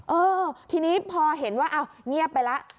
เออทีนี้พอเห็นว่าอ้าวเงียบไปแล้ว